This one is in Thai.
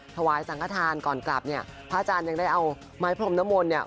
ถวายสังขทานก่อนกลับเนี่ยพระอาจารย์ยังได้เอาไม้พรมนมลเนี่ย